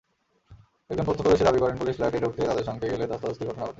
একজন প্রত্যক্ষদর্শী দাবি করেন, পুলিশ ফ্ল্যাটে ঢুকতে তাঁদের সঙ্গে গেলে ধ্বস্তাধ্বস্তির ঘটনা ঘটে।